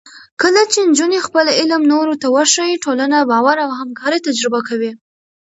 کله چې نجونې خپل علم نورو ته وښيي، ټولنه باور او همکارۍ تجربه کوي.